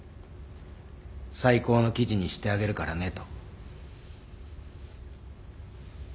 最高の記事にしてあげるからねと。